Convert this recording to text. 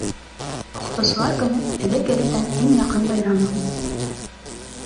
— Уҡытыусылар көнө — элек-электән иң яҡын байрамым.